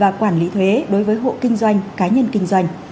và quản lý thuế đối với hộ kinh doanh cá nhân kinh doanh